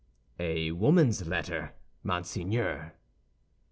"A woman's letter, monseigneur."